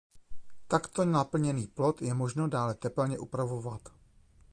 Takto naplněný plod je možno dále tepelně upravovat.